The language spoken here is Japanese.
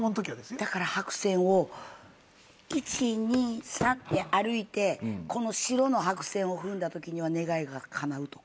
だから白線を１２３って歩いてこの白の白線を踏んだときには願いがかなうとか。